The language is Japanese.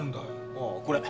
ああこれ。